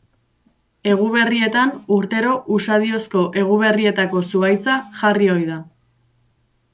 Eguberrietan urtero usadiozko eguberrietako zuhaitza jarri ohi da.